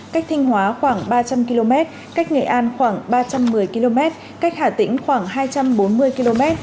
cách thanh hóa khoảng ba trăm linh km cách nghệ an khoảng ba trăm một mươi km cách hà tĩnh khoảng hai trăm bốn mươi km